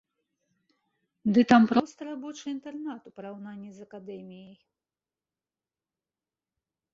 Ды там проста рабочы інтэрнат у параўнанні з акадэміяй!